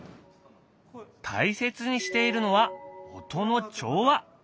大切にしているのは音の調和。